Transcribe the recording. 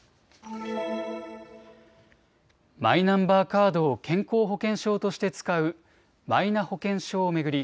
マイナンバーカードを健康保険証として使うマイナ保険証を巡り